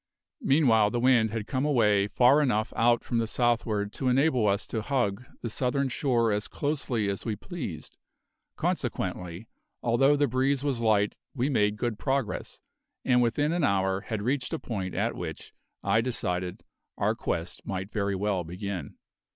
Meanwhile, the wind had come away far enough out from the southward to enable us to hug the southern shore as closely as we pleased; consequently although the breeze was light we made good progress, and within an hour had reached a point at which, I decided, our quest might very well begin.